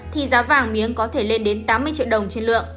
thì giá vàng miếng có thể lên đến tám mươi triệu đồng trên lượng